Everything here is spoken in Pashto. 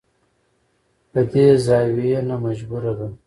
له دې زاويې نه مجبوره ده.